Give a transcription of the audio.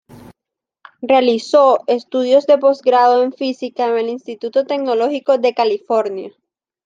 Realizó estudios de postgrado en Física en el Instituto Tecnológico de California.